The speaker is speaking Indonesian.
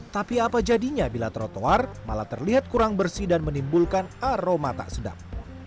tapi apa jadinya bila trotoar malah terlihat kurang bersih dan menimbulkan aroma tak sedap